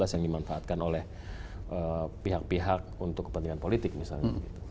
yang dimanfaatkan oleh pihak pihak untuk kepentingan politik misalnya